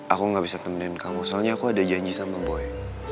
aku gak bisa temenin kamu soalnya aku ada janji sama boy